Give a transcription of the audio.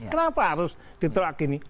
kenapa harus diterakini